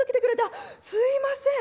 あっすいません